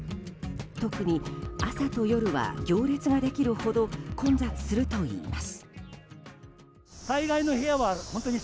特に、朝と夜は行列ができるほど混雑するといいます。